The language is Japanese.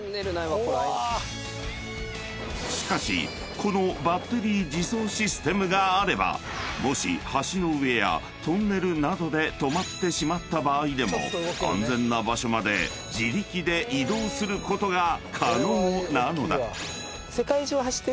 ［しかしこのバッテリー自走システムがあればもし橋の上やトンネルなどで止まってしまった場合でも安全な場所まで自力で移動することが可能なのだ］